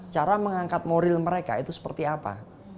cara mengangkat moral mereka itu seperti apa